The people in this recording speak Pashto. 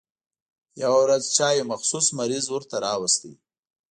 يوه ورځ چا يو مخصوص مریض ورته راوست.